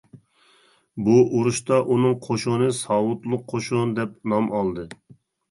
بۇ ئۇرۇشتا ئۇنىڭ قوشۇنى «ساۋۇتلۇق قوشۇن» دەپ نام ئالدى.